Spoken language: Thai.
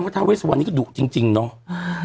ในทาวเวศวรนี้ก็ดุ๊กจริงเนาะ